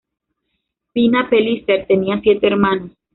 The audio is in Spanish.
Pina Pellicer tenía siete hermanos.